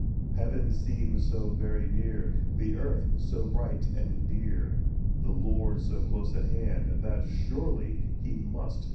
Heaven seems so very near, the earth so bright and dear, The Lord so close at hand, that surely he must hear